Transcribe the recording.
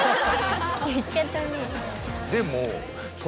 でも。